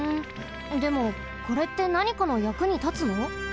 でもこれってなにかのやくにたつの？